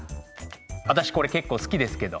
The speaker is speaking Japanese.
私これ結構好きですけど。